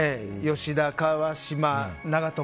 吉田、川島、長友。